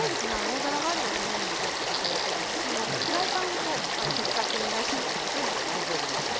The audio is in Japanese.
大皿があればこのようにやって頂いていいですしもうフライパンごと食卓に出して頂いても大丈夫です。